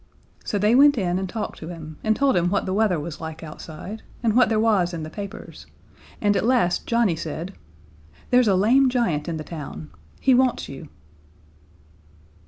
So they went in and talked to him, and told him what the weather was like outside, and what there was in the papers, and at last Johnnie said: "There's a lame giant in the town. He wants you."